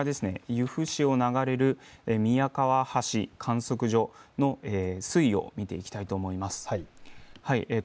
由布市を流れる宮川橋観測所の水位を見ていきたいと思います。